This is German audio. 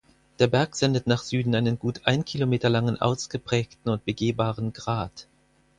Der Berg sendet nach Süden einen gut ein Kilometer langen ausgeprägten und begehbaren Grat.